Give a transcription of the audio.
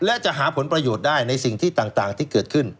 และจะหาผลประโยชน์ได้ในสิ่งที่ต่างที่เกิดขึ้น